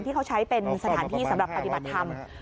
ที่เขาใช้เป็นสถานที่สำหรับปฏิบัติธรรม